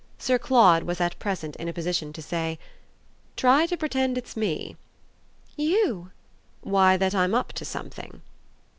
Sir Claude was at present in a position to say: "Try to pretend it's me." "You?" "Why that I'm up to something."